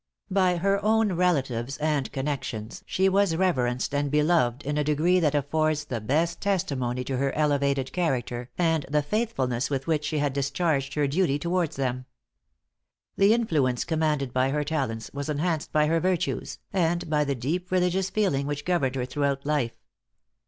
By her own relatives and connections she was reverenced and beloved in a degree that affords the best testimony to her elevated character, and the faithfulness with which she had discharged her duty towards them. The influence commanded by her talents was enhanced by her virtues, and by the deep religious feeling which governed her throughout life.